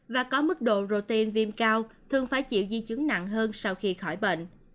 và có mức độ rote viêm cao thường phải chịu di chứng nặng hơn sau khi khỏi bệnh